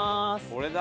これだ！